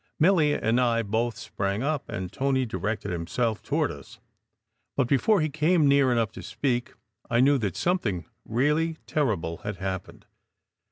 Milly and I both sprang up, and Tony directed himself toward us; but before he came near enough to speak, I knew that something really terrible had happened.